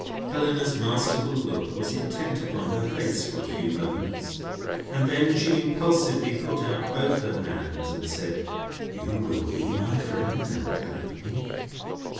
Helena's masterful look was intent upon her face for a few moments, and then she impulsively put out both her hands and said: "You will be my friend and help me?"